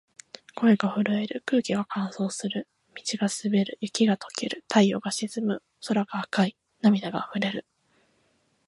声が震える。空気が乾燥する。道が滑る。雪が解ける。太陽が沈む。空が赤い。涙が溢れる。